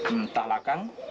entah lah kang